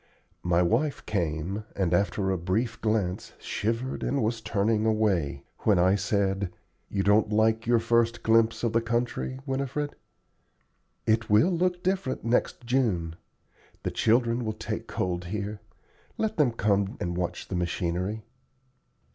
My wife came, and after a brief glance shivered and was turning away, when I said, "You don't like your first glimpse of the country, Winifred?" "It will look different next June. The children will take cold here. Let them come and watch the machinery."